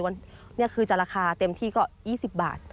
วันนี้คือจะราคาเต็มที่ก็๒๐บาท